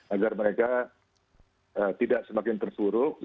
agar mereka tidak semakin terpuruk